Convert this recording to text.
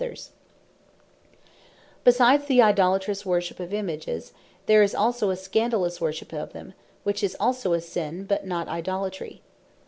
Scandalous Worship Of Images Besides the Idolatrous Worship of Images, there is also a Scandalous Worship of them; which is also a sin; but not Idolatry.